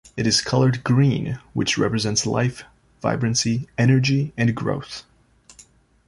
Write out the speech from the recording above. It is coloured green, which represents life, vibrancy, energy and growth.